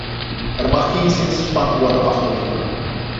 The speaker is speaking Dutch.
Er mag geenszins van worden afgeweken.